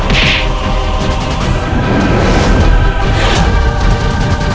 paldi sekarang mas baucar